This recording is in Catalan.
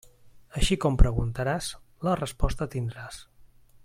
Així com preguntaràs, la resposta tindràs.